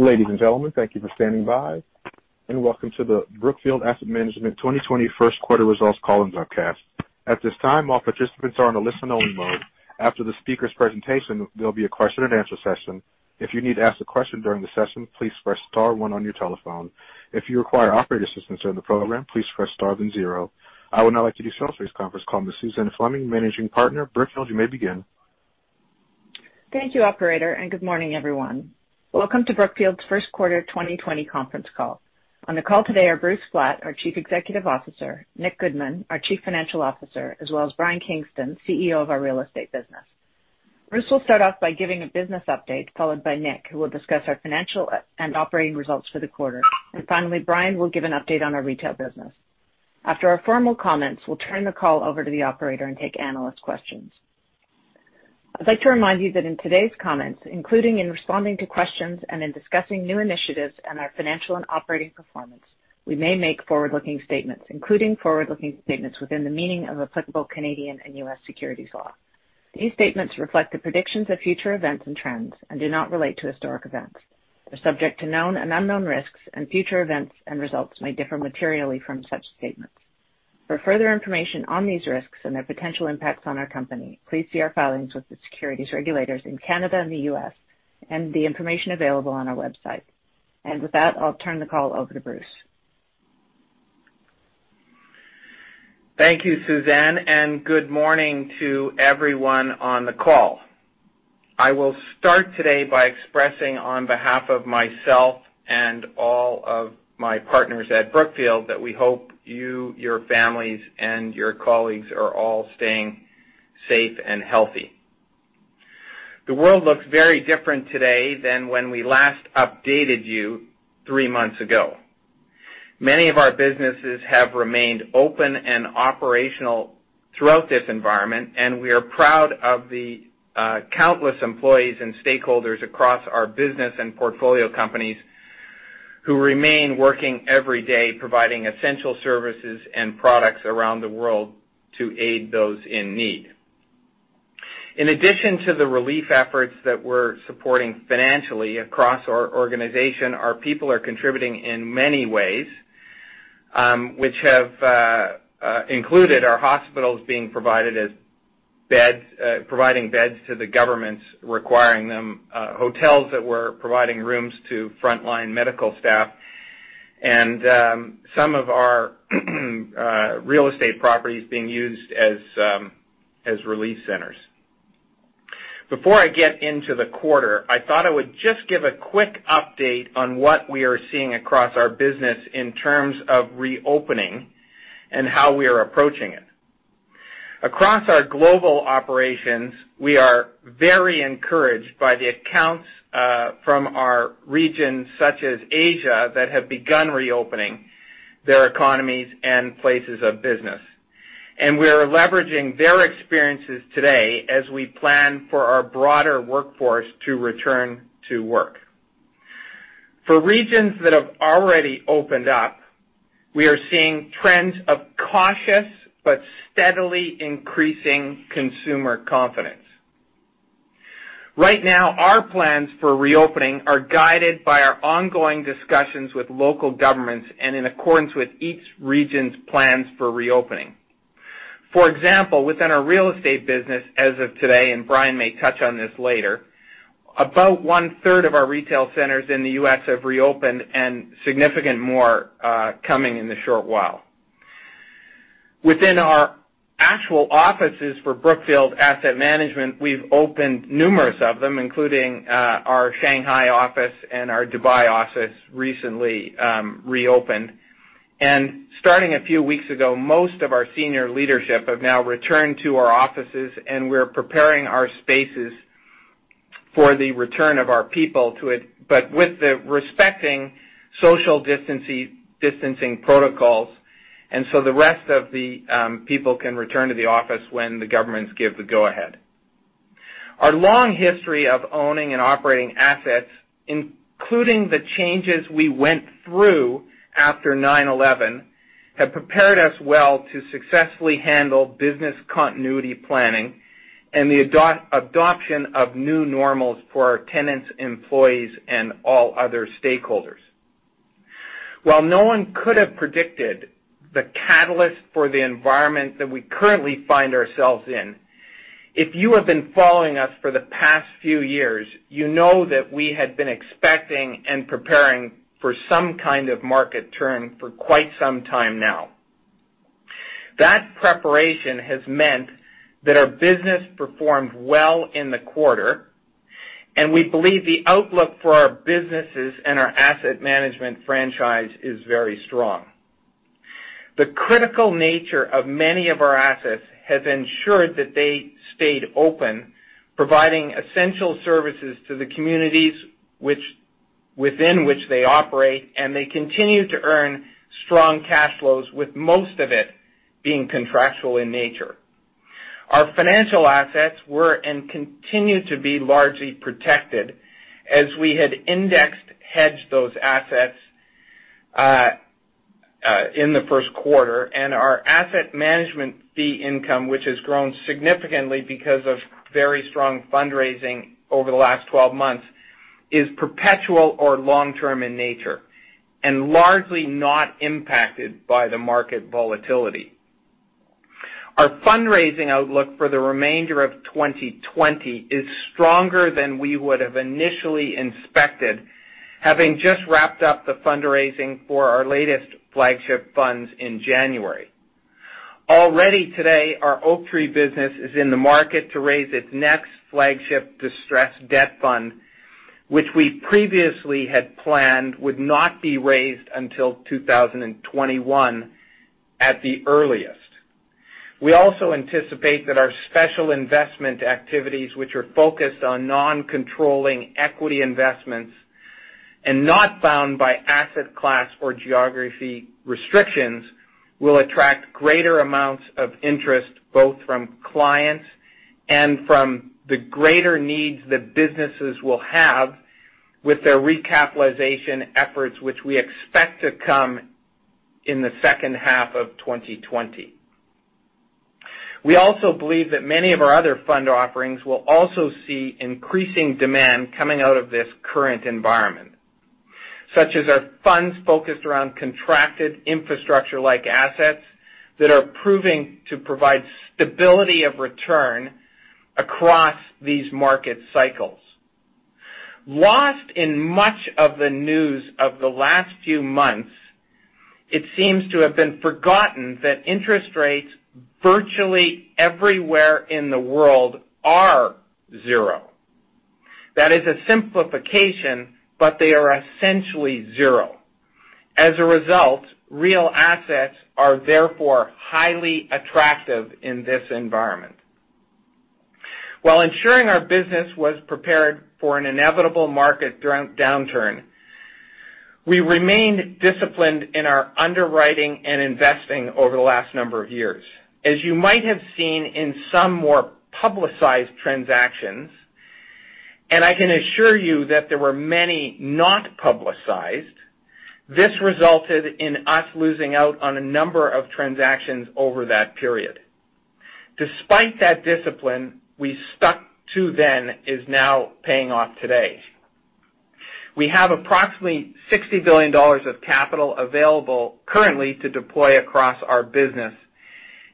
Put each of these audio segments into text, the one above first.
Ladies and gentlemen, thank you for standing by, and welcome to the Brookfield Asset Management 2020 First Quarter results call and webcast. At this time, all participants are in a listen-only mode. After the speaker's presentation, there'll be a question and answer session. If you need to ask a question during the session, please press star one on your telephone. If you require operator assistance during the program, please press star then zero. I would now like to kick off today's conference call to Suzanne Fleming, Managing Partner of Brookfield. You may begin. Thank you, operator. Good morning, everyone. Welcome to Brookfield's first quarter 2020 conference call. On the call today are Bruce Flatt, our Chief Executive Officer, Nick Goodman, our Chief Financial Officer, as well as Brian Kingston, CEO of our real estate business. Bruce will start off by giving a business update, followed by Nick, who will discuss our financial and operating results for the quarter. Finally, Brian will give an update on our retail business. After our formal comments, we'll turn the call over to the operator and take analyst questions. I'd like to remind you that in today's comments, including in responding to questions and in discussing new initiatives and our financial and operating performance, we may make forward-looking statements, including forward-looking statements within the meaning of applicable Canadian and U.S. securities law. These statements reflect the predictions of future events and trends and do not relate to historic events. They're subject to known and unknown risks, and future events and results may differ materially from such statements. For further information on these risks and their potential impacts on our company, please see our filings with the securities regulators in Canada and the U.S., and the information available on our website. With that, I'll turn the call over to Bruce. Thank you, Suzanne, and good morning to everyone on the call. I will start today by expressing on behalf of myself and all of my partners at Brookfield that we hope you, your families, and your colleagues are all staying safe and healthy. The world looks very different today than when we last updated you three months ago. Many of our businesses have remained open and operational throughout this environment. We are proud of the countless employees and stakeholders across our business and portfolio companies who remain working every day providing essential services and products around the world to aid those in need. In addition to the relief efforts that we're supporting financially across our organization, our people are contributing in many ways, which have included our hospitals providing beds to the governments requiring them, hotels that were providing rooms to frontline medical staff, and some of our real estate properties being used as relief centers. Before I get into the quarter, I thought I would just give a quick update on what we are seeing across our business in terms of reopening, and how we are approaching it. Across our global operations, we are very encouraged by the accounts from our regions such as Asia that have begun reopening their economies and places of business. We are leveraging their experiences today as we plan for our broader workforce to return to work. For regions that have already opened up, we are seeing trends of cautious but steadily increasing consumer confidence. Right now, our plans for reopening are guided by our ongoing discussions with local governments and in accordance with each region's plans for reopening. For example, within our real estate business as of today, and Brian may touch on this later, [about one-third] of our retail centers in the U.S. have reopened, and significant more coming in the short while. Within our actual offices for Brookfield Asset Management, we've opened numerous of them, including our Shanghai office, and our Dubai office recently reopened. Starting a few weeks ago, most of our senior leadership have now returned to our offices, and we're preparing our spaces for the return of our people to it. With the respecting social distancing protocols, the rest of the people can return to the office when the governments give the go-ahead. Our long history of owning and operating assets, including the changes we went through after 9/11, have prepared us well to successfully handle business continuity planning and the adoption of new normals for our tenants, employees, and all other stakeholders. While no one could have predicted the catalyst for the environment that we currently find ourselves in, if you have been following us for the past few years, you know that we had been expecting and preparing for some kind of market turn for quite some time now. That preparation has meant that our business performed well in the quarter, and we believe the outlook for our businesses and our asset management franchise is very strong. The critical nature of many of our assets has ensured that they stayed open, providing essential services to the communities within which they operate. They continue to earn strong cash flows, with most of it being contractual in nature. Our financial assets were and continue to be largely protected as we had index-hedged those assets. In the first quarter, our asset management fee income, which has grown significantly because of very strong fundraising over the last 12 months, is perpetual or long-term in nature, and largely not impacted by the market volatility. Our fundraising outlook for the remainder of 2020 is stronger than we would have initially expected, having just wrapped up the fundraising for our latest flagship funds in January. Already today, our Oaktree business is in the market to raise its next flagship distressed debt fund, which we previously had planned would not be raised until 2021 at the earliest. We also anticipate that our special investment activities, which are focused on non-controlling equity investments and not bound by asset class or geography restrictions will attract greater amounts of interest, both from clients and from the greater needs that businesses will have with their recapitalization efforts, which we expect to come in the second half of 2020. We also believe that many of our other fund offerings will also see increasing demand coming out of this current environment, such as our funds focused around contracted infrastructure-like assets that are proving to provide stability of return across these market cycles. Lost in much of the news of the last few months, it seems to have been forgotten that interest rates virtually everywhere in the world are zero. That is a simplification, but they are essentially zero. As a result, real assets are therefore highly attractive in this environment. While ensuring our business was prepared for an inevitable market downturn, we remained disciplined in our underwriting and investing over the last number of years. As you might have seen in some more publicized transactions, and I can assure you that there were many not publicized, this resulted in us losing out on a number of transactions over that period. Despite that discipline we stuck to then is now paying off today. We have approximately $60 billion of capital available currently to deploy across our business.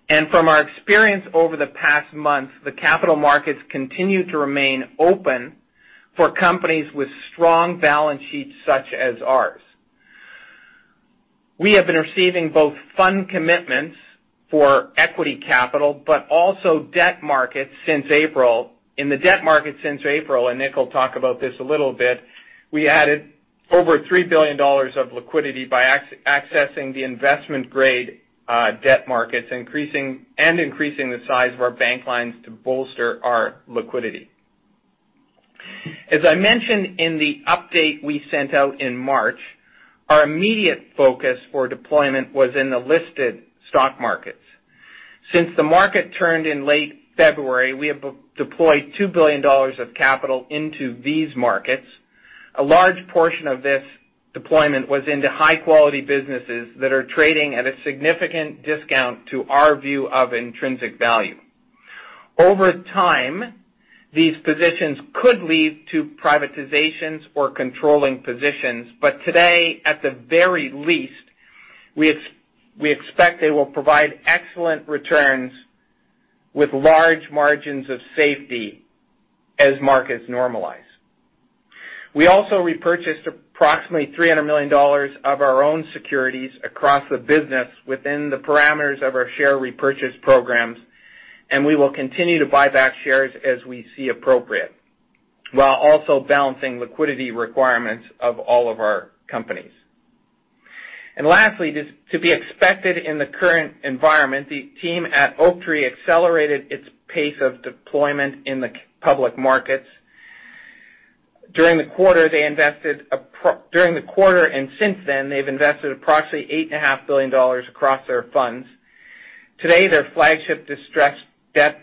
From our experience over the past month, the capital markets continue to remain open for companies with strong balance sheets such as ours. We have been receiving both fund commitments for equity capital, but also debt markets since April. In the debt market since April, and Nick will talk about this a little bit, we added over $3 billion of liquidity by accessing the investment-grade debt markets, and increasing the size of our bank lines to bolster our liquidity. As I mentioned in the update we sent out in March, our immediate focus for deployment was in the listed stock markets. Since the market turned in late February, we have deployed $2 billion of capital into these markets. A large portion of this deployment was into high-quality businesses that are trading at a significant discount to our view of intrinsic value. Over time, these positions could lead to privatizations or controlling positions, but today, at the very least, we expect they will provide excellent returns with large margins of safety as markets normalize. We also repurchased approximately $300 million of our own securities across the business within the parameters of our share repurchase programs, and we will continue to buy back shares as we see appropriate, while also balancing liquidity requirements of all of our companies. Lastly, to be expected in the current environment, the team at Oaktree accelerated its pace of deployment in the public markets. During the quarter and since then, they've invested approximately $8.5 billion across their funds. Today, their flagship distressed debt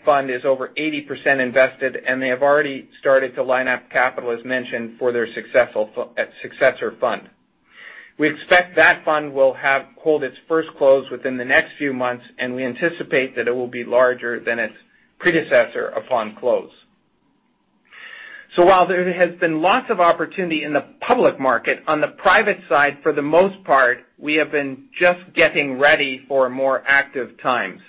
fund is over 80% invested, and they have already started to line up capital, as mentioned, for their successor fund. We expect that fund will hold its first close within the next few months. We anticipate that it will be larger than its predecessor upon close. While there has been lots of opportunity in the public market, on the private side, for the most part, we have been just getting ready for more active times.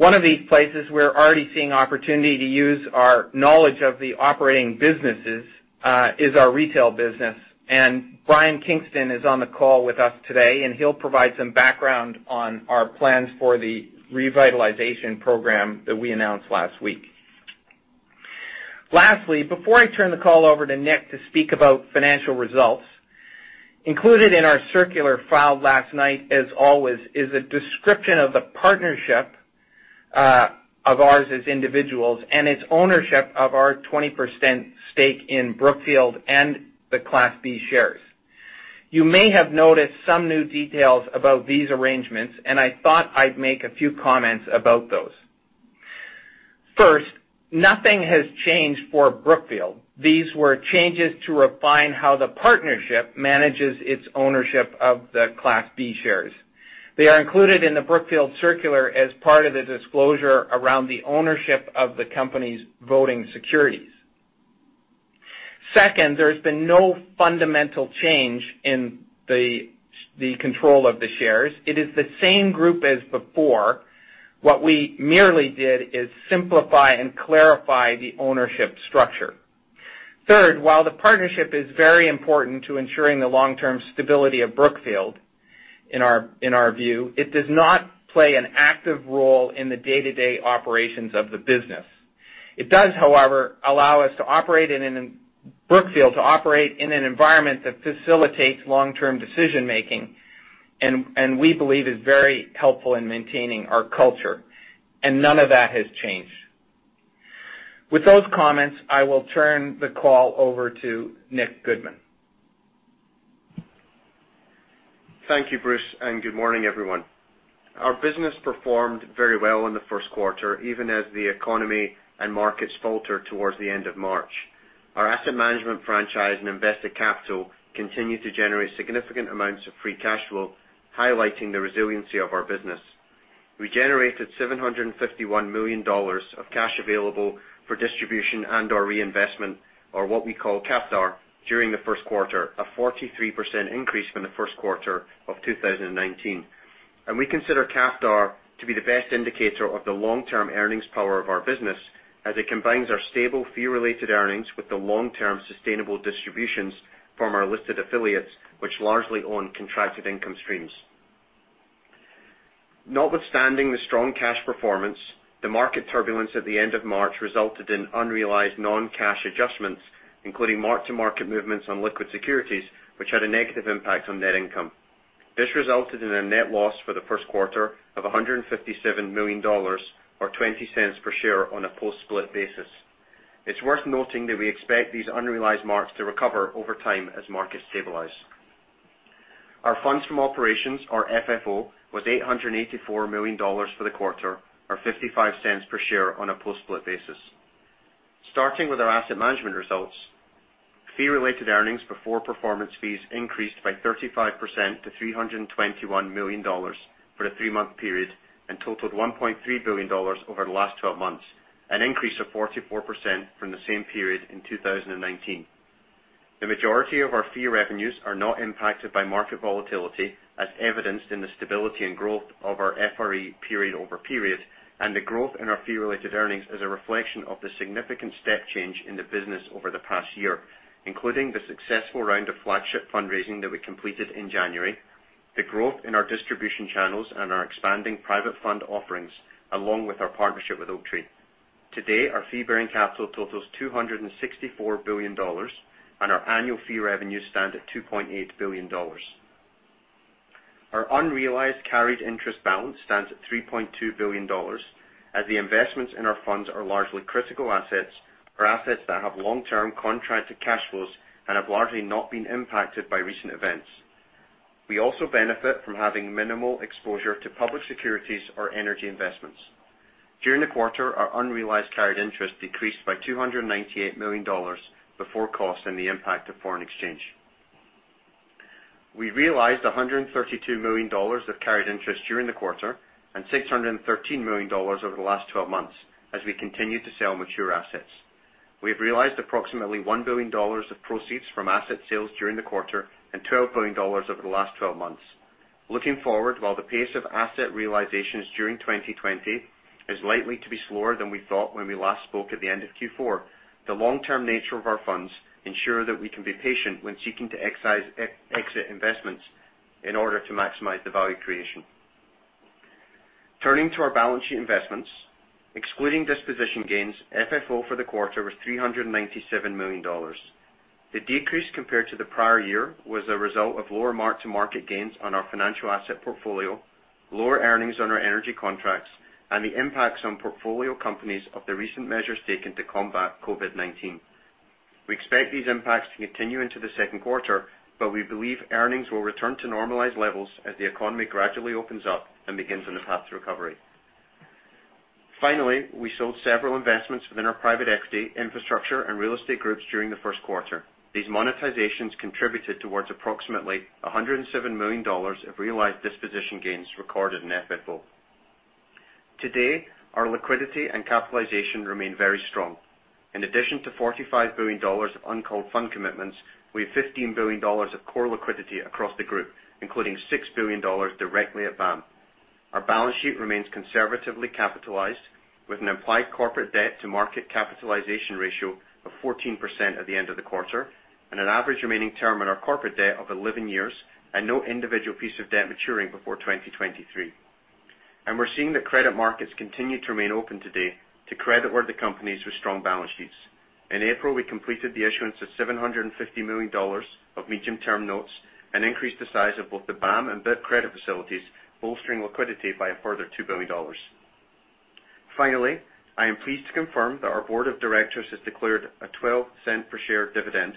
One of these places we're already seeing opportunity to use our knowledge of the operating businesses, is our retail business. Brian Kingston is on the call with us today, and he'll provide some background on our plans for the revitalization program that we announced last week. Lastly, before I turn the call over to Nick to speak about financial results, included in our circular filed last night, as always, is a description of the partnership of ours as individuals and its ownership of our 20% stake in Brookfield and the Class B shares. You may have noticed some new details about these arrangements, and I thought I'd make a few comments about those. First, nothing has changed for Brookfield. These were changes to refine how the partnership manages its ownership of the Class B shares. They are included in the Brookfield circular as part of the disclosure around the ownership of the company's voting securities. Second, there's been no fundamental change in the control of the shares. It is the same group as before. What we merely did is simplify and clarify the ownership structure. Third, while the partnership is very important to ensuring the long-term stability of Brookfield, in our view, it does not play an active role in the day-to-day operations of the business. It does, however, allow Brookfield to operate in an environment that facilitates long-term decision making, and we believe is very helpful in maintaining our culture. None of that has changed. With those comments, I will turn the call over to Nick Goodman. Thank you, Bruce. Good morning, everyone. Our business performed very well in the first quarter, even as the economy and markets faltered towards the end of March. Our asset management franchise and invested capital continued to generate significant amounts of free cash flow, highlighting the resiliency of our business. We generated $751 million of cash available for distribution and/or reinvestment, or what we call CAFDAR, during the first quarter, a 43% increase from the first quarter of 2019. We consider CAFDAR to be the best indicator of the long-term earnings power of our business, as it combines our stable fee-related earnings with the long-term sustainable distributions from our listed affiliates, which largely own contracted income streams. Notwithstanding the strong cash performance, the market turbulence at the end of March resulted in unrealized non-cash adjustments, including mark-to-market movements on liquid securities, which had a negative impact on net income. This resulted in a net loss for the first quarter of $157 million, or $0.20 per share on a post-split basis. It's worth noting that we expect these unrealized marks to recover over time as markets stabilize. Our funds from operations, or FFO, was $884 million for the quarter, or $0.55 per share on a post-split basis. Starting with our asset management results. Fee-related earnings before performance fees increased by 35% to $321 million for the three-month period, and totaled $1.3 billion over the last 12 months, an increase of 44% from the same period in 2019. The majority of our fee revenues are not impacted by market volatility, as evidenced in the stability and growth of our FRE period over period, and the growth in our fee-related earnings is a reflection of the significant step change in the business over the past year, including the successful round of flagship fundraising that we completed in January, the growth in our distribution channels, and our expanding private fund offerings, along with our partnership with Oaktree. Today, our fee-bearing capital totals $264 billion, and our annual fee revenues stand at $2.8 billion. Our unrealized carried interest balance stands at $3.2 billion, as the investments in our funds are largely critical assets or assets that have long-term contracted cash flows and have largely not been impacted by recent events. We also benefit from having minimal exposure to public securities or energy investments. During the quarter, our unrealized carried interest decreased by $298 million before costs and the impact of foreign exchange. We realized $132 million of carried interest during the quarter and $613 million over the last 12 months as we continued to sell mature assets. We have realized approximately $1 billion of proceeds from asset sales during the quarter and $12 billion over the last 12 months. Looking forward, while the pace of asset realizations during 2020 is likely to be slower than we thought when we last spoke at the end of Q4, the long-term nature of our funds ensure that we can be patient when seeking to exit investments in order to maximize the value creation. Turning to our balance sheet investments. Excluding disposition gains, FFO for the quarter was $397 million. The decrease compared to the prior year was a result of lower mark-to-market gains on our financial asset portfolio, lower earnings on our energy contracts, and the impacts on portfolio companies of the recent measures taken to combat COVID-19. We expect these impacts to continue into the second quarter, but we believe earnings will return to normalized levels as the economy gradually opens up and begins on the path to recovery. Finally, we sold several investments within our private equity, infrastructure, and real estate groups during the first quarter. These monetizations contributed towards approximately $107 million of realized disposition gains recorded in FFO. Today, our liquidity and capitalization remain very strong. In addition to $45 billion of uncalled fund commitments, we have $15 billion of core liquidity across the group, including $6 billion directly at BAM. Our balance sheet remains conservatively capitalized with an implied corporate debt-to-market capitalization ratio of 14% at the end of the quarter and an average remaining term on our corporate debt of 11 years and no individual piece of debt maturing before 2023. We're seeing that credit markets continue to remain open today to credit-worthy companies with strong balance sheets. In April, we completed the issuance of $750 million of medium-term notes and increased the size of both the BAM and BIP credit facilities, bolstering liquidity by a further $2 billion. Finally, I am pleased to confirm that our board of directors has declared a $0.12 per share dividend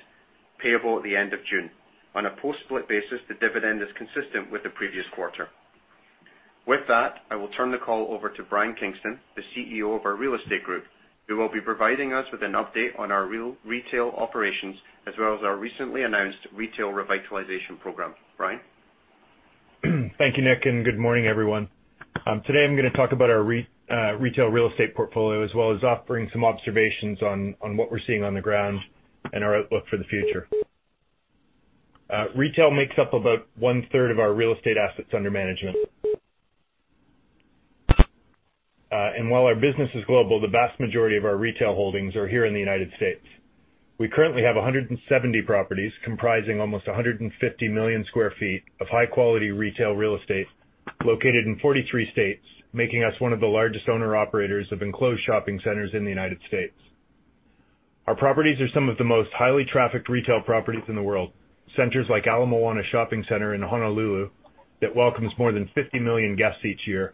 payable at the end of June. On a post-split basis, the dividend is consistent with the previous quarter. With that, I will turn the call over to Brian Kingston, the CEO of our real estate group, who will be providing us with an update on our retail operations, as well as our recently announced retail revitalization program. Brian? Thank you, Nick, and good morning, everyone. Today I'm going to talk about our retail real estate portfolio, as well as offering some observations on what we're seeing on the ground and our outlook for the future. Retail makes up about one-third of our real estate assets under management. While our business is global, the vast majority of our retail holdings are here in the U.S. We currently have 170 properties comprising almost 150 million square feet of high-quality retail real estate located in 43 states, making us one of the largest owner-operators of enclosed shopping centers in the U.S. Our properties are some of the most highly trafficked retail properties in the world. Centers like Ala Moana Shopping Center in Honolulu, that welcomes more than 50 million guests each year,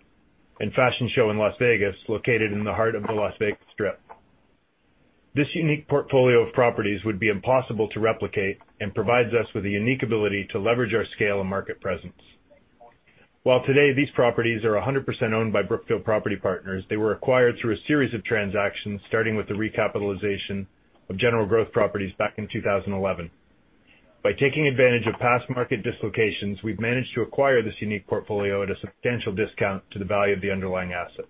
and Fashion Show in Las Vegas, located in the heart of the Las Vegas Strip. This unique portfolio of properties would be impossible to replicate and provides us with the unique ability to leverage our scale and market presence. While today these properties are 100% owned by Brookfield Property Partners, they were acquired through a series of transactions, starting with the recapitalization of General Growth Properties back in 2011. By taking advantage of past market dislocations, we've managed to acquire this unique portfolio at a substantial discount to the value of the underlying assets.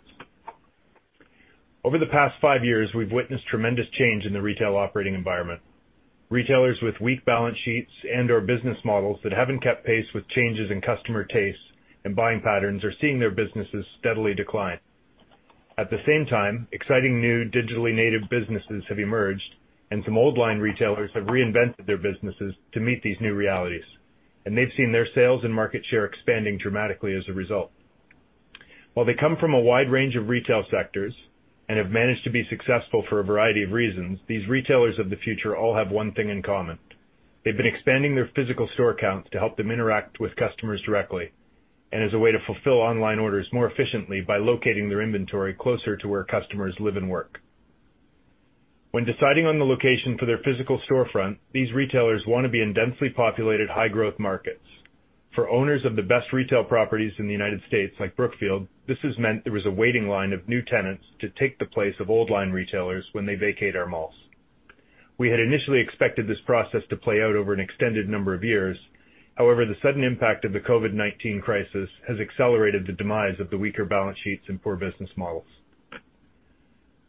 Over the past five years, we've witnessed tremendous change in the retail operating environment. Retailers with weak balance sheets and/or business models that haven't kept pace with changes in customer tastes and buying patterns are seeing their businesses steadily decline. At the same time, exciting new digitally native businesses have emerged, and some old line retailers have reinvented their businesses to meet these new realities, and they've seen their sales and market share expanding dramatically as a result. While they come from a wide range of retail sectors and have managed to be successful for a variety of reasons, these retailers of the future all have one thing in common. They've been expanding their physical store counts to help them interact with customers directly and as a way to fulfill online orders more efficiently by locating their inventory closer to where customers live and work. When deciding on the location for their physical storefront, these retailers want to be in densely populated, high-growth markets. For owners of the best retail properties in the U.S., like Brookfield, this has meant there is a waiting line of new tenants to take the place of old line retailers when they vacate our malls. We had initially expected this process to play out over an extended number of years. However, the sudden impact of the COVID-19 crisis has accelerated the demise of the weaker balance sheets and poor business models.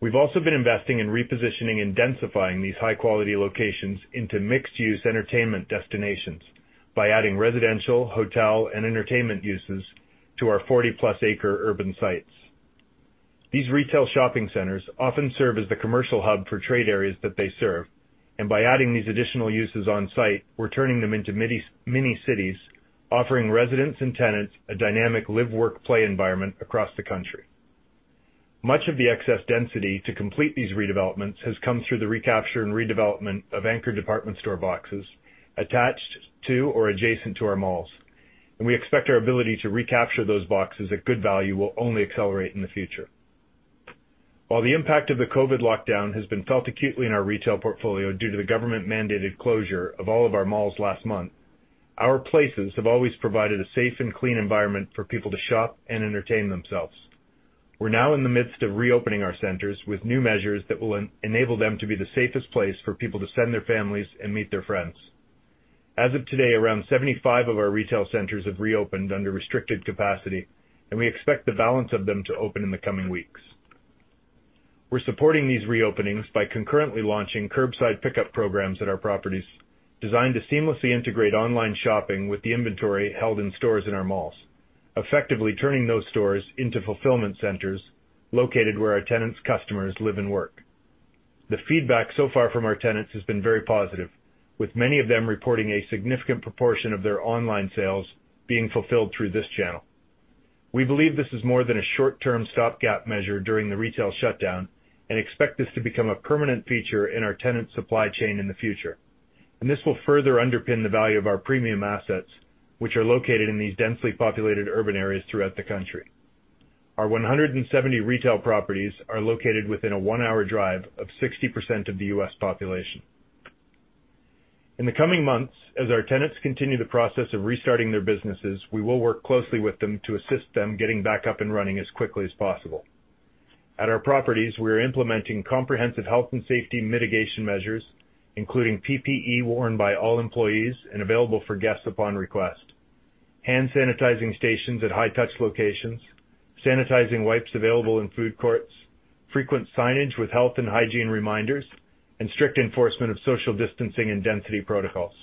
We've also been investing in repositioning and densifying these high-quality locations into mixed-use entertainment destinations by adding residential, hotel, and entertainment uses to our 40-plus acre urban sites. These retail shopping centers often serve as the commercial hub for trade areas that they serve, and by adding these additional uses on site, we're turning them into mini cities, offering residents and tenants a dynamic live-work-play environment across the country. Much of the excess density to complete these redevelopments has come through the recapture and redevelopment of anchor department store boxes attached to or adjacent to our malls, and we expect our ability to recapture those boxes at good value will only accelerate in the future. While the impact of the COVID lockdown has been felt acutely in our retail portfolio due to the government-mandated closure of all of our malls last month, our places have always provided a safe and clean environment for people to shop and entertain themselves. We're now in the midst of reopening our centers with new measures that will enable them to be the safest place for people to send their families and meet their friends. As of today, around 75 of our retail centers have reopened under restricted capacity, and we expect the balance of them to open in the coming weeks. We're supporting these reopenings by concurrently launching curbside pickup programs at our properties designed to seamlessly integrate online shopping with the inventory held in stores in our malls, effectively turning those stores into fulfillment centers located where our tenants' customers live and work. The feedback so far from our tenants has been very positive, with many of them reporting a significant proportion of their online sales being fulfilled through this channel. We believe this is more than a short-term stopgap measure during the retail shutdown and expect this to become a permanent feature in our tenant supply chain in the future. This will further underpin the value of our premium assets, which are located in these densely populated urban areas throughout the country. Our 170 retail properties are located within a one-hour drive of 60% of the U.S. population. In the coming months, as our tenants continue the process of restarting their businesses, we will work closely with them to assist them getting back up and running as quickly as possible. At our properties, we are implementing comprehensive health and safety mitigation measures, including PPE worn by all employees and available for guests upon request, hand sanitizing stations at high-touch locations, sanitizing wipes available in food courts, frequent signage with health and hygiene reminders, and strict enforcement of social distancing and density protocols.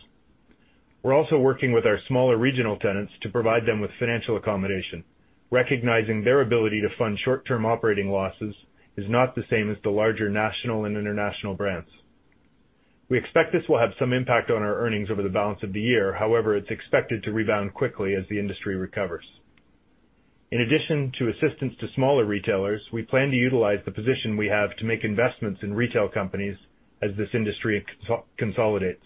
We're also working with our smaller regional tenants to provide them with financial accommodation, recognizing their ability to fund short-term operating losses is not the same as the larger national and international brands. We expect this will have some impact on our earnings over the balance of the year. However, it's expected to rebound quickly as the industry recovers. In addition to assistance to smaller retailers, we plan to utilize the position we have to make investments in retail companies as this industry consolidates.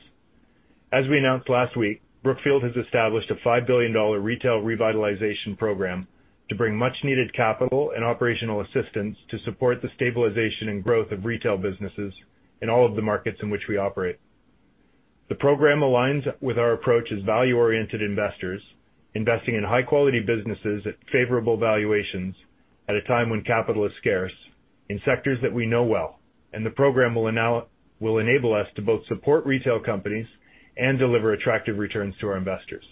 As we announced last week, Brookfield has established a $5 billion Retail Revitalization Program to bring much needed capital and operational assistance to support the stabilization and growth of retail businesses in all of the markets in which we operate. The program aligns with our approach as value-oriented investors, investing in high-quality businesses at favorable valuations at a time when capital is scarce in sectors that we know well. The program will enable us to both support retail companies and deliver attractive returns to our investors.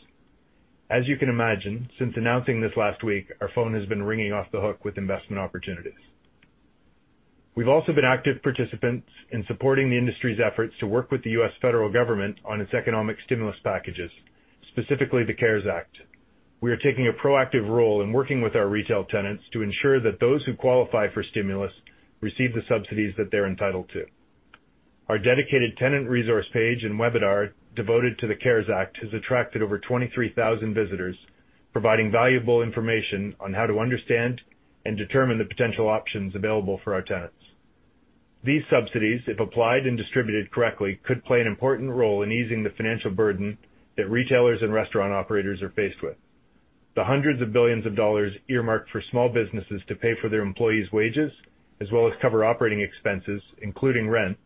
As you can imagine, since announcing this last week, our phone has been ringing off the hook with investment opportunities. We've also been active participants in supporting the industry's efforts to work with the U.S. federal government on its economic stimulus packages, specifically the CARES Act. We are taking a proactive role in working with our retail tenants to ensure that those who qualify for stimulus receive the subsidies that they're entitled to. Our dedicated tenant resource page and webinar devoted to the CARES Act has attracted over 23,000 visitors, providing valuable information on how to understand and determine the potential options available for our tenants. These subsidies, if applied and distributed correctly, could play an important role in easing the financial burden that retailers and restaurant operators are faced with. The hundreds of billions of dollars earmarked for small businesses to pay for their employees' wages, as well as cover operating expenses, including rent,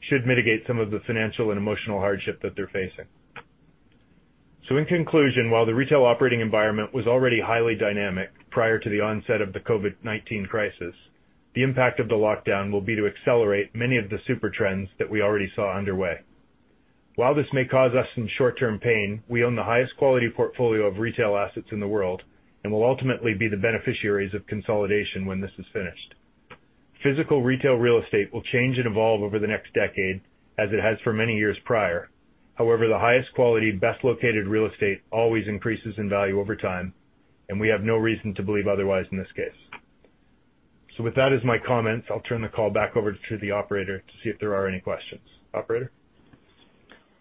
should mitigate some of the financial and emotional hardship that they're facing. In conclusion, while the retail operating environment was already highly dynamic prior to the onset of the COVID-19 crisis, the impact of the lockdown will be to accelerate many of the super trends that we already saw underway. While this may cause us some short-term pain, we own the highest quality portfolio of retail assets in the world and will ultimately be the beneficiaries of consolidation when this is finished. Physical retail real estate will change and evolve over the next decade, as it has for many years prior. However, the highest quality, best located real estate always increases in value over time, and we have no reason to believe otherwise in this case. With that as my comments, I'll turn the call back over to the operator to see if there are any questions. Operator?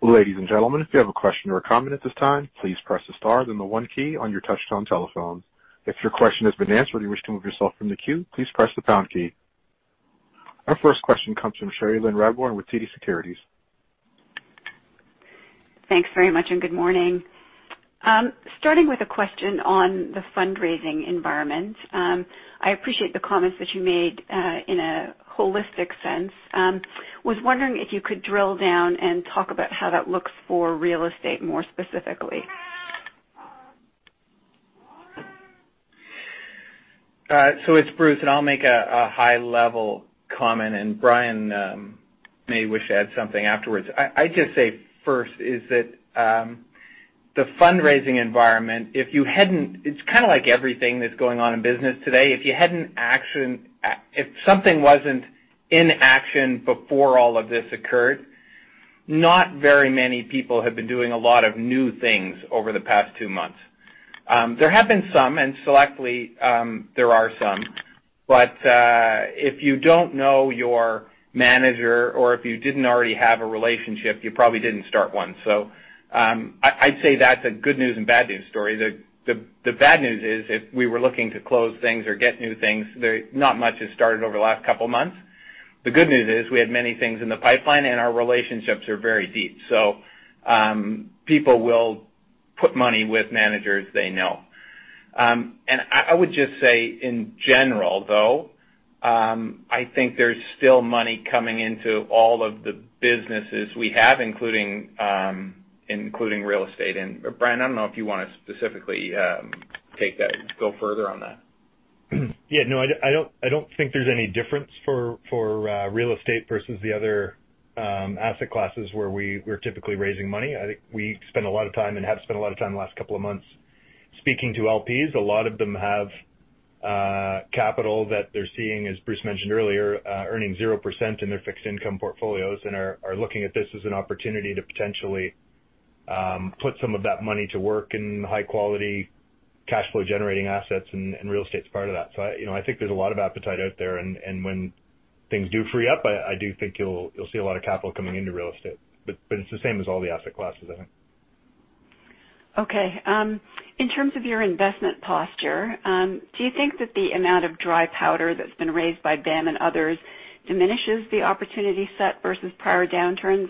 Ladies and gentlemen, if you have a question or a comment at this time, please press the star, then the one key on your touchtone telephone. If your question has been answered or you wish to move yourself from the queue, please press the pound key. Our first question comes from Cherilyn Radbourne with TD Securities. Thanks very much, and good morning. Starting with a question on the fundraising environment. I appreciate the comments that you made in a holistic sense. I was wondering if you could drill down and talk about how that looks for real estate, more specifically. It's Bruce, and I'll make a high level comment, and Brian may wish to add something afterwards. I'd just say first is that the fundraising environment, it's kind of like everything that's going on in business today. If something wasn't in action before all of this occurred, not very many people have been doing a lot of new things over the past two months. There have been some, and selectively there are some, but if you don't know your manager or if you didn't already have a relationship, you probably didn't start one. I'd say that's a good news and bad news story. The bad news is if we were looking to close things or get new things, not much has started over the last couple of months. The good news is we had many things in the pipeline and our relationships are very deep. People will put money with managers they know. I would just say in general though, I think there's still money coming into all of the businesses we have, including real estate. Brian, I don't know if you want to specifically take that, go further on that. Yeah, no, I don't think there's any difference for real estate versus the other asset classes where we're typically raising money. I think we spend a lot of time and have spent a lot of time the last couple of months speaking to LPs. A lot of them have capital that they're seeing, as Bruce mentioned earlier, earning 0% in their fixed income portfolios and are looking at this as an opportunity to potentially put some of that money to work in high quality cash flow generating assets and real estate's part of that. I think there's a lot of appetite out there and when things do free up, I do think you'll see a lot of capital coming into real estate. It's the same as all the asset classes, I think. Okay. In terms of your investment posture, do you think that the amount of dry powder that's been raised by BAM and others diminishes the opportunity set versus prior downturns?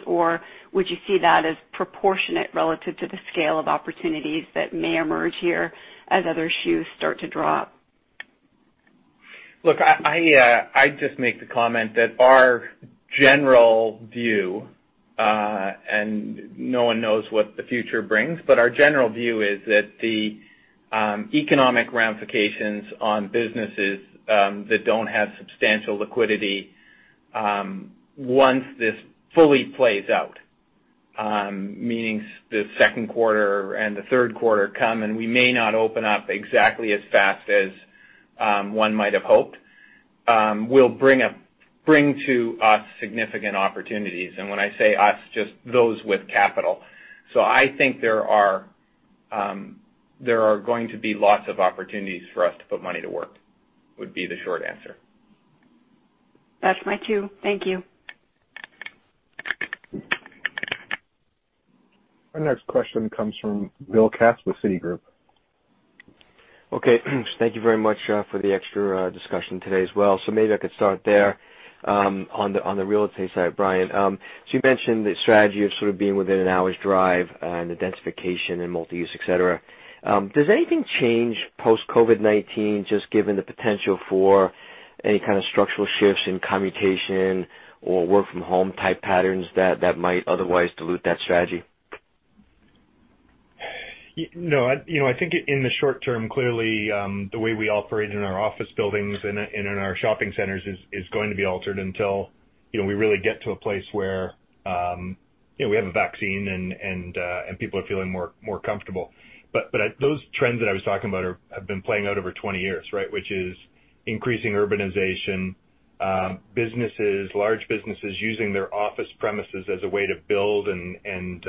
Would you see that as proportionate relative to the scale of opportunities that may emerge here as other shoes start to drop? Look, I'd just make the comment that our general view, and no one knows what the future brings, but our general view is that the economic ramifications on businesses that don't have substantial liquidity once this fully plays out, meaning the second quarter and the third quarter come, and we may not open up exactly as fast as one might have hoped, will bring to us significant opportunities. When I say us, just those with capital. I think there are going to be lots of opportunities for us to put money to work, would be the short answer. That's my cue. Thank you. Our next question comes from Bill Katz with Citigroup. Okay. Thank you very much for the extra discussion today as well. Maybe I could start there. On the real estate side, Brian, you mentioned the strategy of sort of being within an hour's drive and the densification and multi-use, et cetera. Does anything change post COVID-19 just given the potential for any kind of structural shifts in commutation or work from home type patterns that might otherwise dilute that strategy? I think in the short term, clearly, the way we operate in our office buildings and in our shopping centers is going to be altered until we really get to a place where we have a vaccine and people are feeling more comfortable. Those trends that I was talking about have been playing out over 20 years, right? Which is increasing urbanization, large businesses using their office premises as a way to build and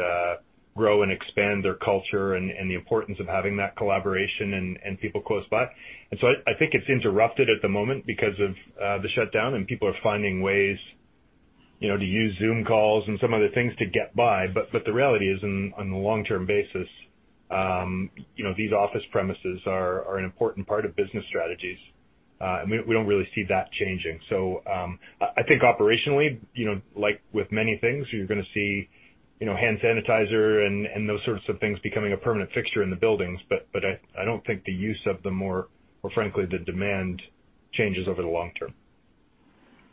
grow and expand their culture, and the importance of having that collaboration and people close by. I think it's interrupted at the moment because of the shutdown, and people are finding ways to use Zoom calls and some other things to get by. The reality is, on a long-term basis these office premises are an important part of business strategies. We don't really see that changing. I think operationally, like with many things, you're going to see hand sanitizer and those sorts of things becoming a permanent fixture in the buildings. I don't think the use of, or frankly, the demand changes over the long term.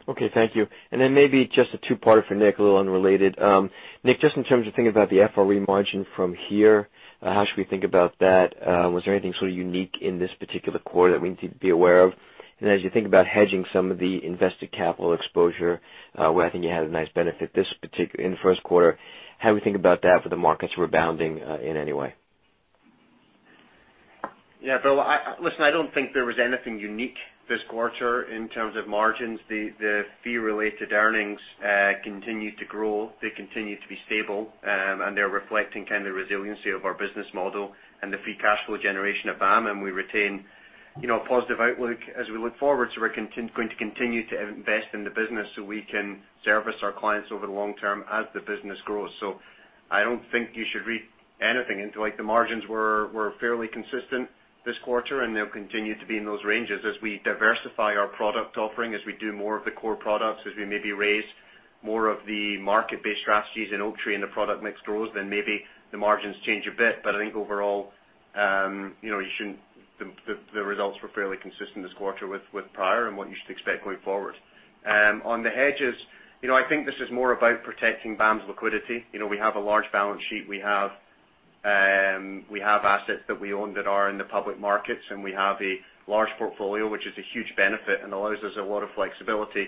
Okay, thank you. Maybe just a two-parter for Nick, a little unrelated. Nick, just in terms of thinking about the FRE margin from here, how should we think about that? Was there anything sort of unique in this particular quarter that we need to be aware of? As you think about hedging some of the invested capital exposure, where I think you had a nice benefit in the first quarter, how do we think about that for the markets rebounding in any way? Bill, listen, I don't think there was anything unique this quarter in terms of margins. The fee-related earnings continue to grow. They continue to be stable. They're reflecting kind of the resiliency of our business model and the free cash flow generation of BAM. We retain a positive outlook as we look forward. We're going to continue to invest in the business so we can service our clients over the long term as the business grows. I don't think you should read anything into it. The margins were fairly consistent this quarter, and they'll continue to be in those ranges as we diversify our product offering, as we do more of the core products, as we maybe raise more of the market-based strategies in Oaktree and the product mix grows, then maybe the margins change a bit. I think overall the results were fairly consistent this quarter with prior and what you should expect going forward. On the hedges, I think this is more about protecting BAM's liquidity. We have a large balance sheet. We have assets that we own that are in the public markets, and we have a large portfolio, which is a huge benefit and allows us a lot of flexibility.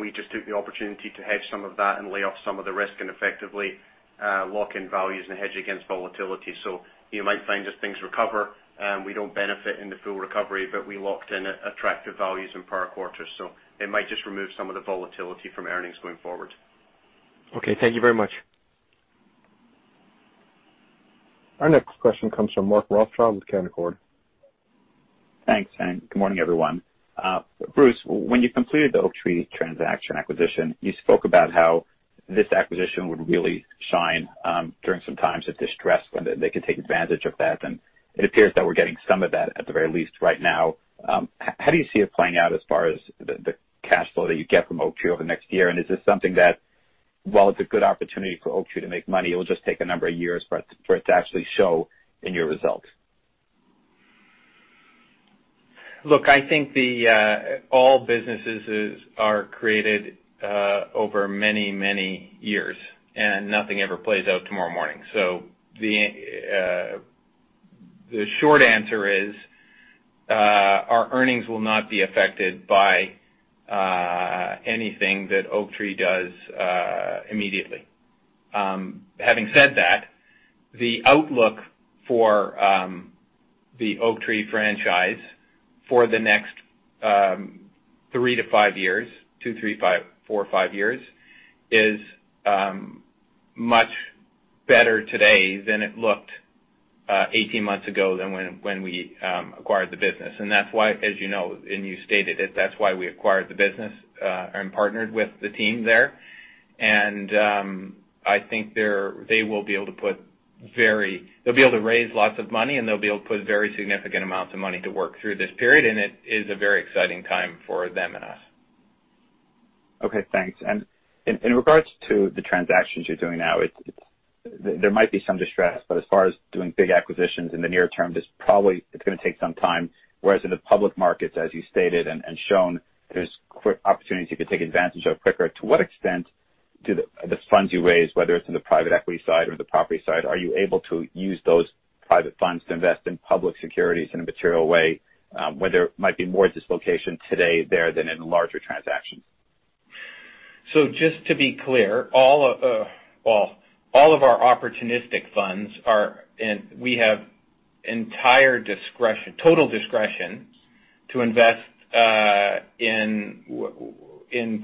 We just took the opportunity to hedge some of that and lay off some of the risk and effectively lock in values and hedge against volatility. You might find as things recover, we don't benefit in the full recovery, but we locked in attractive values in prior quarters, so it might just remove some of the volatility from earnings going forward. Okay. Thank you very much. Our next question comes from Mark Rothschild with Canaccord. Thanks, and good morning, everyone. Bruce, when you completed the Oaktree transaction acquisition, you spoke about how this acquisition would really shine during some times of distress when they could take advantage of that. It appears that we're getting some of that, at the very least right now. How do you see it playing out as far as the cash flow that you get from Oaktree over the next year? Is this something that, while it's a good opportunity for Oaktree to make money, it will just take a number of years for it to actually show in your results? Look, I think all businesses are created over many, many years, and nothing ever plays out tomorrow morning. The short answer is, our earnings will not be affected by anything that Oaktree does immediately. Having said that, the outlook for the Oaktree franchise for the next three to five years, two, three, four, five years, is much better today than it looked 18 months ago than when we acquired the business. That's why, as you know and you stated it, that's why we acquired the business and partnered with the team there. I think they'll be able to raise lots of money and they'll be able to put very significant amounts of money to work through this period. It is a very exciting time for them and us. Okay, thanks. In regards to the transactions you're doing now, there might be some distress, but as far as doing big acquisitions in the near term, it's going to take some time, whereas in the public markets, as you stated and shown, there's quick opportunities you can take advantage of quicker. To what extent do the funds you raise, whether it's in the private equity side or the property side, are you able to use those private funds to invest in public securities in a material way where there might be more dislocation today there than in larger transactions? Just to be clear, all of our opportunistic funds. We have entire discretion, total discretion to invest in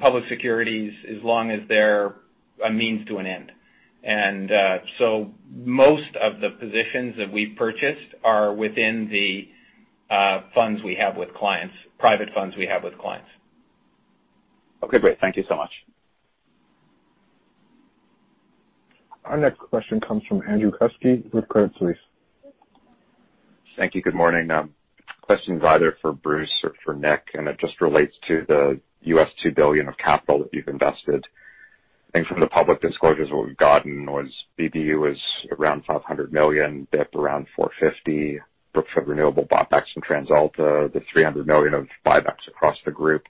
public securities as long as they're a means to an end. Most of the positions that we've purchased are within the funds we have with clients, private funds we have with clients. Okay, great. Thank you so much. Our next question comes from Andrew Kuske with Credit Suisse. Thank you. Good morning. Question's either for Bruce or for Nick, and it just relates to the $2 billion of capital that you've invested. I think from the public disclosures, what we've gotten was BBU is around $500 million, BIP around $450 million, Brookfield Renewable [bought back from] TransAlta, the $300 million of buybacks across the group.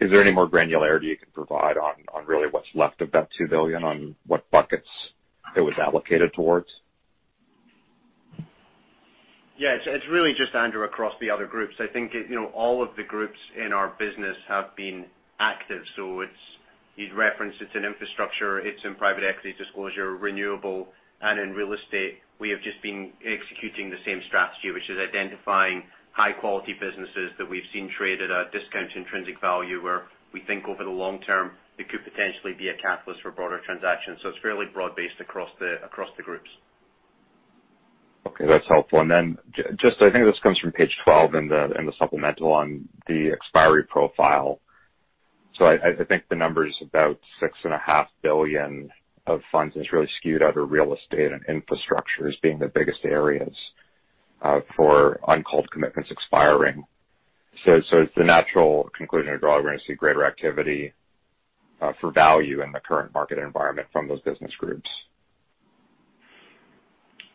Is there any more granularity you can provide on really what's left of that $2 billion, on what buckets it was allocated towards? Yeah. It's really just, Andrew, across the other groups. I think all of the groups in our business have been active. You'd referenced it's in infrastructure, it's in private equity disclosure, renewable, and in real estate. We have just been executing the same strategy, which is identifying high-quality businesses that we've seen trade at a discount to intrinsic value, where we think over the long term it could potentially be a catalyst for broader transactions. It's fairly broad-based across the groups. Okay. That's helpful. Just, I think this comes from page 12 in the supplemental on the expiry profile. I think the number's about $6.5 billion of funds is really skewed out of real estate, and infrastructure as being the biggest areas for uncalled commitments expiring. Is the natural conclusion to draw we're going to see greater activity for value in the current market environment from those business groups?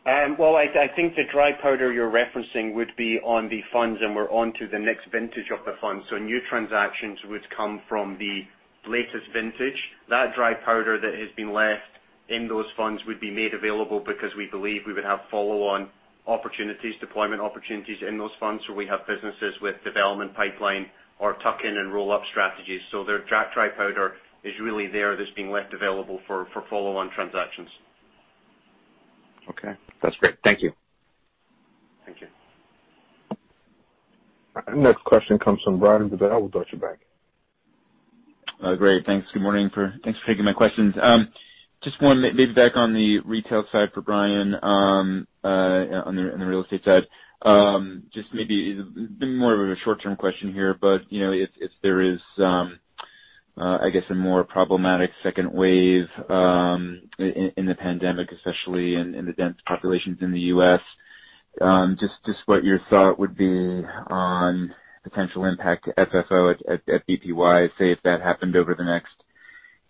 I think the dry powder you're referencing would be on the funds, and we're onto the next vintage of the fund. New transactions would come from the latest vintage. That dry powder that has been left in those funds would be made available because we believe we would have follow-on opportunities, deployment opportunities in those funds where we have businesses with development pipeline or tuck-in and roll-up strategies. Their dry powder is really there that's being left available for follow-on transactions. Okay. That's great. Thank you. Thank you. Next question comes from Brian Duval with Deutsche Bank. Great. Thanks. Good morning. Thanks for taking my questions. Just one maybe back on the retail side for Brian on the real estate side. Just maybe more of a short-term question here, but if there is I guess a more problematic second wave in the pandemic, especially in the dense populations in the U.S., just what your thought would be on potential impact to FFO at BPY, say if that happened over the next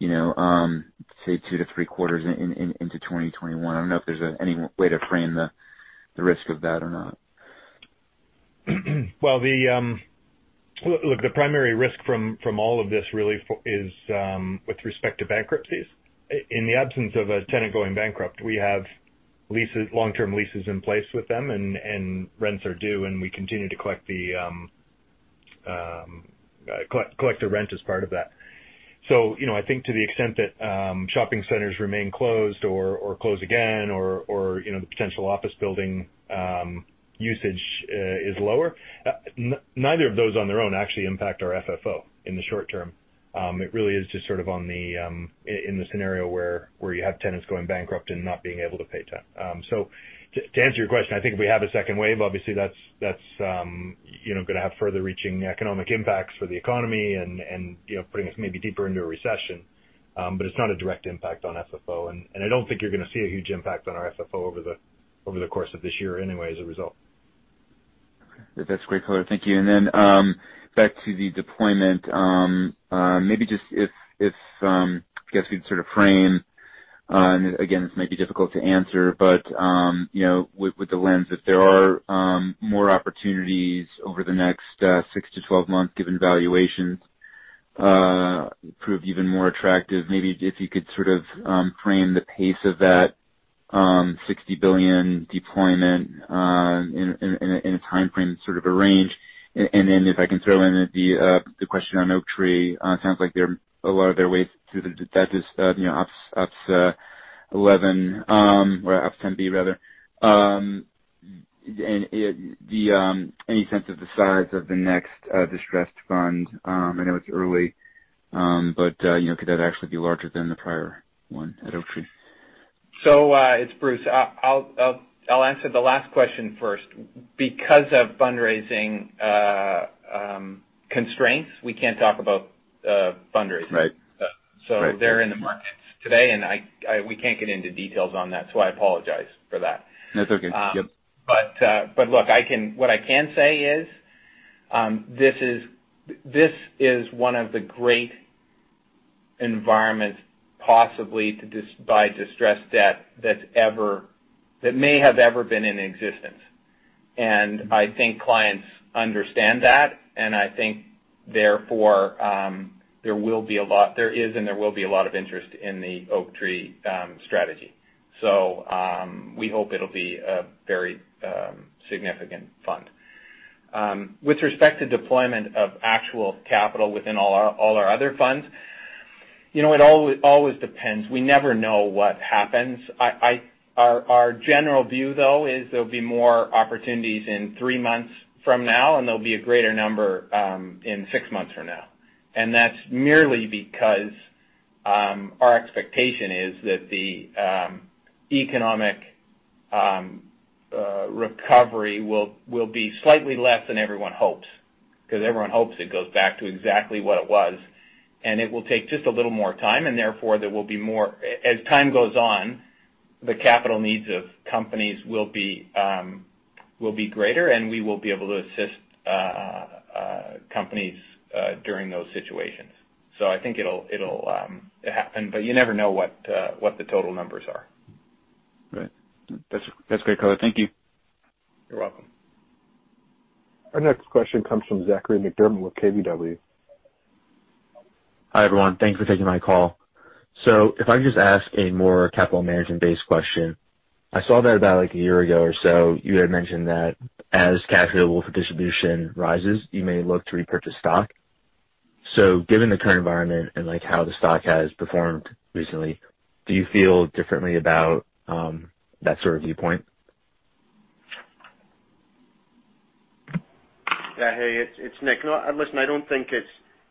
say two to three quarters into 2021. I don't know if there's any way to frame the risk of that or not. Well, look, the primary risk from all of this really is with respect to bankruptcies. In the absence of a tenant going bankrupt, we have long-term leases in place with them and rents are due, and we continue to collect the rent as part of that. I think to the extent that shopping centers remain closed or close again or the potential office building usage is lower, neither of those on their own actually impact our FFO in the short term. It really is just sort of in the scenario where you have tenants going bankrupt and not being able to pay rent. To answer your question, I think if we have a second wave, obviously that's going to have further reaching economic impacts for the economy and bring us maybe deeper into a recession. It's not a direct impact on FFO, and I don't think you're going to see a huge impact on our FFO over the course of this year anyway, as a result. Okay. That's great color. Thank you. Then back to the deployment. Maybe just if, I guess we could sort of frame, and again, this may be difficult to answer, but with the lens, if there are more opportunities over the next 6 to 12 months, given valuations prove even more attractive, maybe if you could sort of frame the pace of that $60 billion deployment in a timeframe sort of a range. Then if I can throw in the question on Oaktree. It sounds like a lot of their way through the debt is Opps 11 or Opps 10B rather. Any sense of the size of the next distressed fund? I know it's early, but could that actually be larger than the prior one at Oaktree? It's Bruce. I'll answer the last question first. Because of fundraising constraints, we can't talk about fundraising. Right. They're in the markets today, and we can't get into details on that, so I apologize for that. No, it's okay. Yep. Look, what I can say is, this is one of the great environments possibly to buy distressed debt that may have ever been in existence. I think clients understand that, and I think therefore there is and there will be a lot of interest in the Oaktree strategy. We hope it'll be a very significant fund. With respect to deployment of actual capital within all our other funds, it always depends. We never know what happens. Our general view, though, is there'll be more opportunities in three months from now, and there'll be a greater number in six months from now. That's merely because our expectation is that the economic recovery will be slightly less than everyone hopes. Everyone hopes it goes back to exactly what it was, and it will take just a little more time, and therefore as time goes on. The capital needs of companies will be greater, and we will be able to assist companies during those situations. I think it'll happen, but you never know what the total numbers are. Great. That's great, color. Thank you. You're welcome. Our next question comes from Zachary McDermott with KBW. Hi, everyone. Thanks for taking my call. If I could just ask a more capital management-based question. I saw that about a year ago or so, you had mentioned that as cash available for distribution rises, you may look to repurchase stock. Given the current environment and how the stock has performed recently, do you feel differently about that sort of viewpoint? Yeah, hey, it's Nick. No, listen, I don't think it's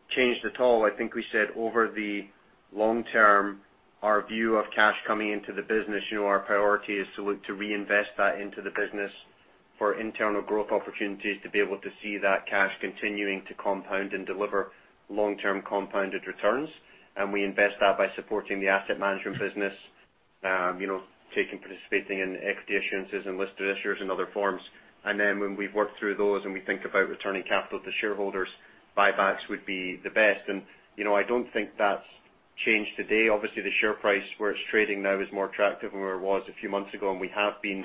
changed at all. I think we said over the long term, our view of cash coming into the business, our priority is to reinvest that into the business for internal growth opportunities to be able to see that cash continuing to compound and deliver long-term compounded returns. We invest that by supporting the asset management business, participating in equity issuances and listed issuers and other forms. When we've worked through those and we think about returning capital to shareholders, buybacks would be the best. I don't think that's changed today. Obviously, the share price, where it's trading now is more attractive than where it was a few months ago, and we have been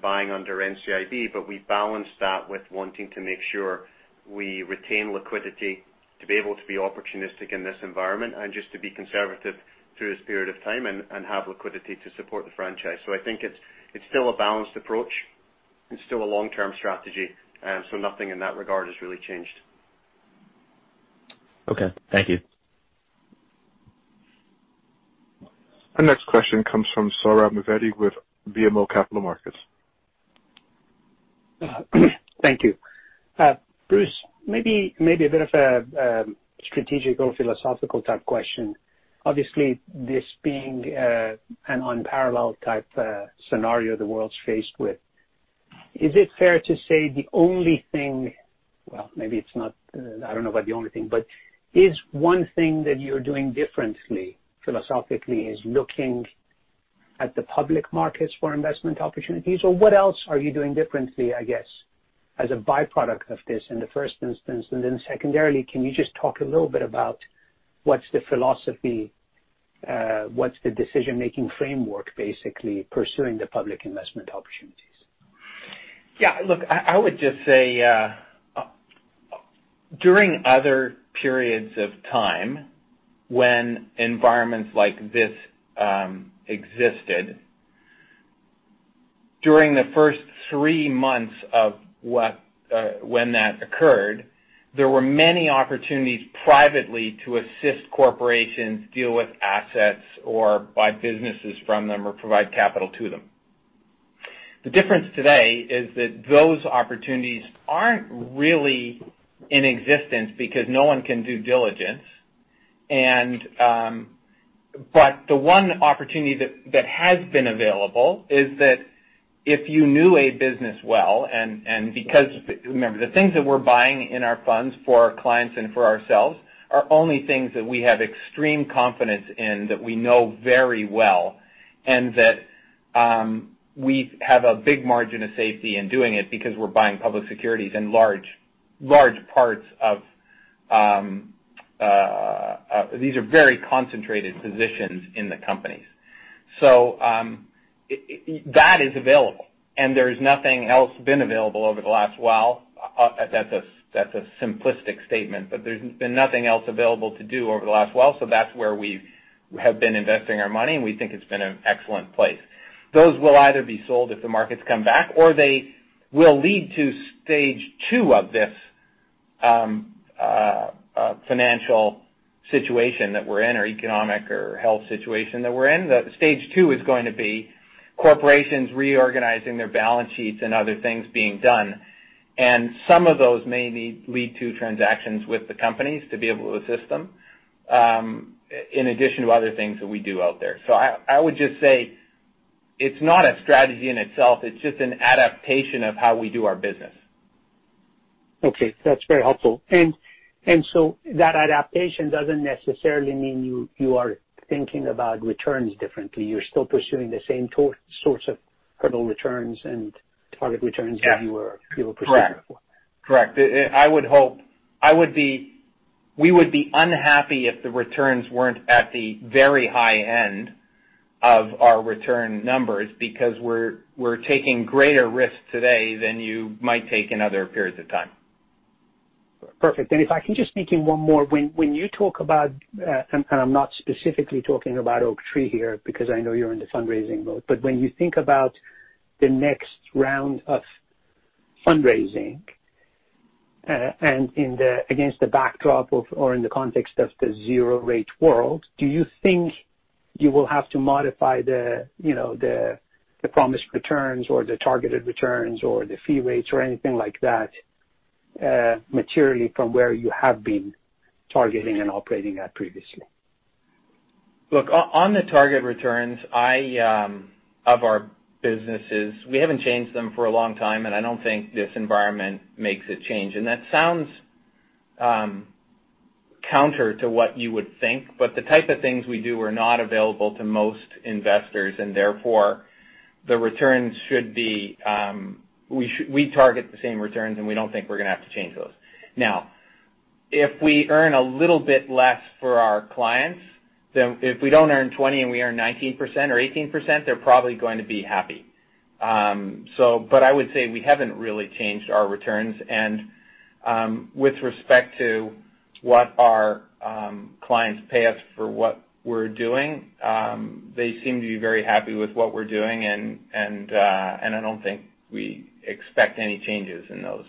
buying under NCIB. We balance that with wanting to make sure we retain liquidity to be able to be opportunistic in this environment and just to be conservative through this period of time and have liquidity to support the franchise. I think it's still a balanced approach. It's still a long-term strategy, so nothing in that regard has really changed. Okay. Thank you. Our next question comes from Sohrab Movahedi with BMO Capital Markets. Thank you. Bruce, maybe a bit of a strategic or philosophical type question. Obviously, this being an unparalleled type scenario the world's faced with. Is it fair to say the only thing, well, maybe it's not, I don't know about the only thing, but is one thing that you're doing differently philosophically is looking at the public markets for investment opportunities? Or what else are you doing differently, I guess, as a byproduct of this in the first instance? Then secondarily, can you just talk a little bit about what's the philosophy, what's the decision-making framework, basically, pursuing the public investment opportunities? Look, I would just say, during other periods of time when environments like this existed, during the first three months of when that occurred, there were many opportunities privately to assist corporations deal with assets or buy businesses from them or provide capital to them. The difference today is that those opportunities aren't really in existence because no one can do diligence. The one opportunity that has been available is that if you knew a business well, and because, remember, the things that we're buying in our funds for our clients and for ourselves are only things that we have extreme confidence in, that we know very well, and that we have a big margin of safety in doing it because we're buying public securities and large parts of these are very concentrated positions in the companies. That is available, and there's nothing else been available over the last while. That's a simplistic statement, but there's been nothing else available to do over the last while, so that's where we have been investing our money, and we think it's been an excellent place. Those will either be sold if the markets come back, or they will lead to stage 2 of this financial situation that we're in or economic or health situation that we're in. Stage 2 is going to be corporations reorganizing their balance sheets and other things being done. Some of those may lead to transactions with the companies to be able to assist them, in addition to other things that we do out there. I would just say it's not a strategy in itself. It's just an adaptation of how we do our business. Okay. That's very helpful. That adaptation doesn't necessarily mean you are thinking about returns differently. You're still pursuing the same sorts of credible returns and target returns. Yeah as you were proceeding before. Correct. We would be unhappy if the returns weren't at the very high end of our return numbers because we're taking greater risks today than you might take in other periods of time. Perfect. If I can just sneak in one more. When you talk about, and I'm not specifically talking about Oaktree here because I know you're in the fundraising mode, but when you think about the next round of fundraising, and against the backdrop of or in the context of the zero rate world, do you think you will have to modify the promised returns or the targeted returns or the fee rates or anything like that materially from where you have been targeting and operating at previously? Look, on the target returns of our businesses, we haven't changed them for a long time, I don't think this environment makes it change. That sounds counter to what you would think, but the type of things we do are not available to most investors, and therefore we target the same returns, and we don't think we're going to have to change those. Now, if we earn a little bit less for our clients, if we don't earn 20% and we earn 19% or 18%, they're probably going to be happy. I would say we haven't really changed our returns. With respect to what our clients pay us for what we're doing, they seem to be very happy with what we're doing, and I don't think we expect any changes in those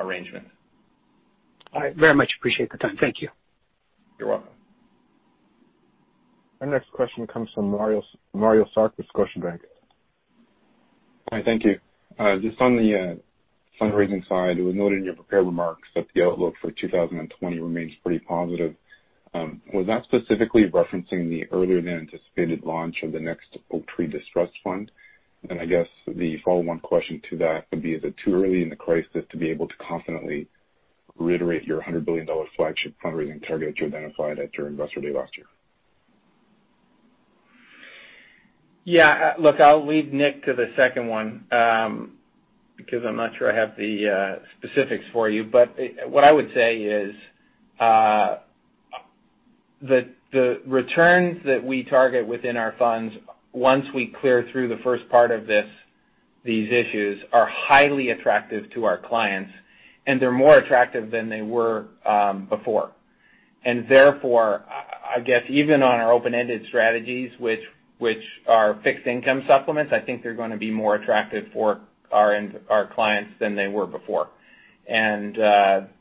arrangements. I very much appreciate the time. Thank you. You're welcome. Our next question comes from Mario Saric, Scotiabank. Hi, thank you. Just on the fundraising side, it was noted in your prepared remarks that the outlook for 2020 remains pretty positive. Was that specifically referencing the earlier than anticipated launch of the next Oaktree distressed fund? I guess the follow-on question to that would be, is it too early in the crisis to be able to confidently reiterate your $100 billion flagship fundraising target you identified at your Investor Day last year? What I would say is the returns that we target within our funds, once we clear through the second one of these issues, are highly attractive to our clients, and they're more attractive than they were before. Therefore, I guess even on our open-ended strategies, which are fixed income supplements, I think they're going to be more attractive for our clients than they were before.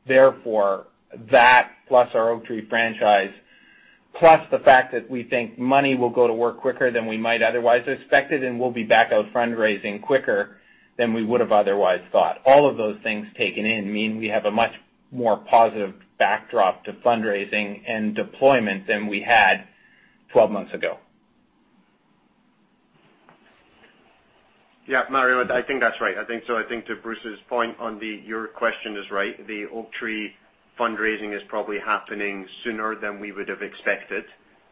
Therefore, that plus our Oaktree franchise, plus the fact that we think money will go to work quicker than we might otherwise expected, and we'll be back out fundraising quicker than we would have otherwise thought. All of those things taken in mean we have a much more positive backdrop to fundraising and deployment than we had 12 months ago. Yeah, Mario, I think that's right. I think to Bruce's point on your question is right. The Oaktree fundraising is probably happening sooner than we would have expected.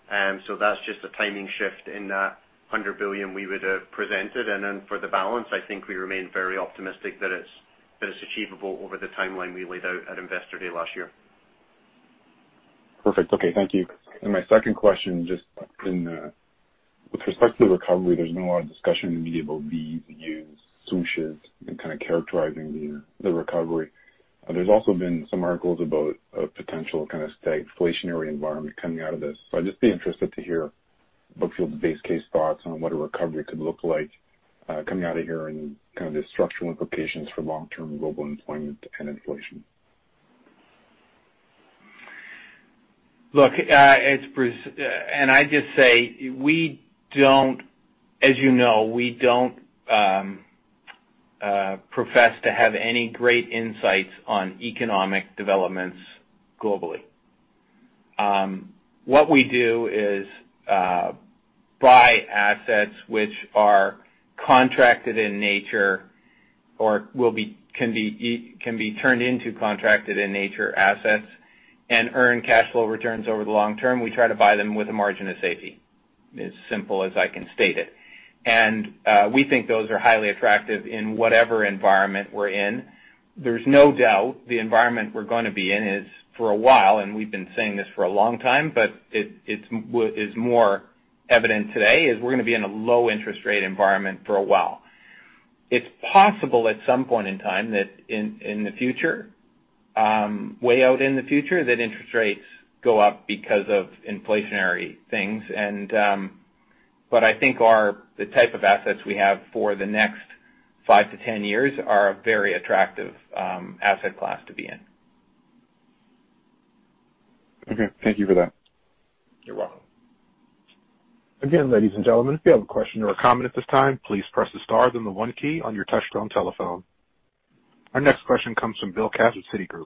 That's just a timing shift in that $100 billion we would have presented. For the balance, I think we remain very optimistic that it's achievable over the timeline we laid out at Investor Day last year. Perfect. Okay. Thank you. My second question, just with respect to the recovery, there's been a lot of discussion in the media about V's, U's, swooshes, and kind of characterizing the recovery. There's also been some articles about a potential kind of stagflationary environment coming out of this. I'd just be interested to hear Brookfield's base case thoughts on what a recovery could look like coming out of here and kind of the structural implications for long-term global employment and inflation. I just say, as you know, we don't profess to have any great insights on economic developments globally. What we do is buy assets which are contracted in nature or can be turned into contracted in nature assets and earn cash flow returns over the long term. We try to buy them with a margin of safety, as simple as I can state it. We think those are highly attractive in whatever environment we're in. There's no doubt the environment we're going to be in is for a while, and we've been saying this for a long time, but it's more evident today, is we're going to be in a low interest rate environment for a while. It's possible at some point in time that in the future, way out in the future, that interest rates go up because of inflationary things. I think the type of assets we have for the next 5-10 years are a very attractive asset class to be in. Okay. Thank you for that. You're welcome. Ladies and gentlemen, if you have a question or a comment at this time, please press the star then the one key on your touchtone telephone. Our next question comes from Bill Katz of Citigroup.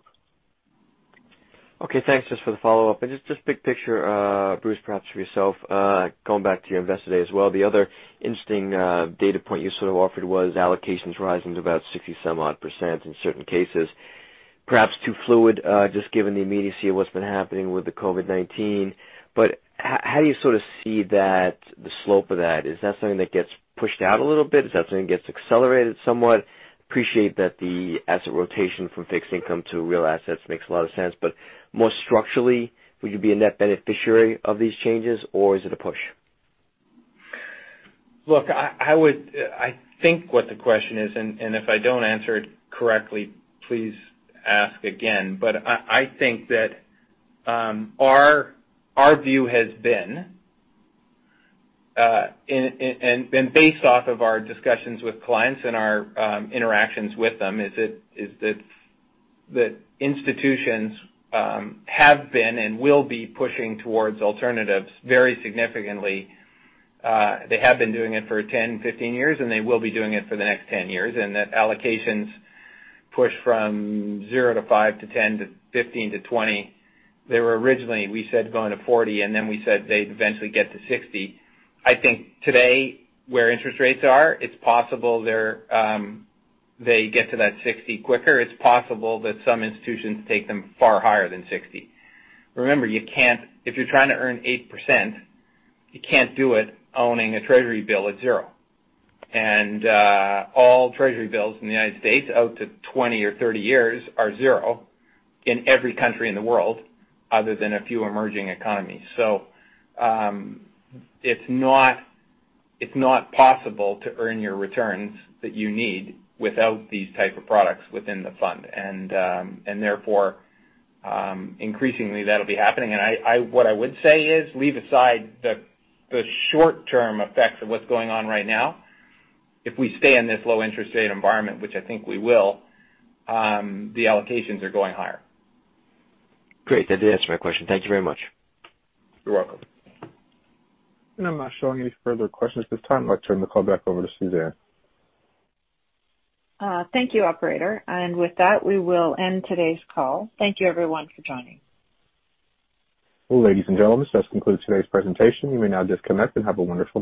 Okay, thanks. Just for the follow-up. Just big picture, Bruce, perhaps for yourself, going back to your Investor Day as well. The other interesting data point you sort of offered was allocations rising to about 60 some odd %. Perhaps too fluid, just given the immediacy of what's been happening with the COVID-19. How do you sort of see the slope of that? Is that something that gets pushed out a little bit? Is that something that gets accelerated somewhat? Appreciate that the asset rotation from fixed income to real assets makes a lot of sense. More structurally, would you be a net beneficiary of these changes or is it a push? Look, I think what the question is, and if I don't answer it correctly, please ask again. I think that our view has been, and based off of our discussions with clients and our interactions with them, is that institutions have been and will be pushing towards alternatives very significantly. They have been doing it for 10-15 years, and they will be doing it for the next 10 years, and that allocations push from zero to five to 10 to 15 to 20. They were originally, we said, going to 40, and then we said they'd eventually get to 60. I think today, where interest rates are, it's possible they get to that 60 quicker. It's possible that some institutions take them far higher than 60. Remember, if you're trying to earn 8%, you can't do it owning a Treasury bill at zero. All Treasury bills in the U.S. out to 20 or 30 years are zero in every country in the world other than a few emerging economies. It's not possible to earn your returns that you need without these type of products within the fund. Therefore, increasingly, that'll be happening. What I would say is leave aside the short-term effects of what's going on right now. If we stay in this low interest rate environment, which I think we will, the allocations are going higher. Great. That did answer my question. Thank you very much. You're welcome. I'm not showing any further questions at this time. I'd like to turn the call back over to Suzanne. Thank you, operator. With that, we will end today's call. Thank you everyone for joining. Well, ladies and gentlemen, this does conclude today's presentation. You may now disconnect and have a wonderful day.